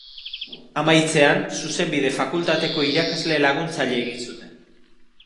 Amaitzean, Zuzenbide fakultateko irakasle laguntzaile egin zuten.